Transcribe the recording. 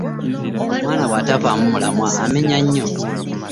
Omwana bwatavamu mulamwa amenya nnyo.